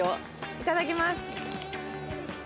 いただきます。